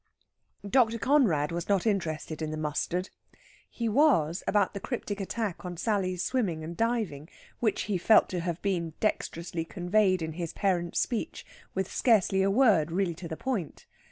Dr. Conrad was not interested in the mustard. He was about the cryptic attack on Sally's swimming and diving, which he felt to have been dexterously conveyed in his parent's speech with scarcely a word really to the point.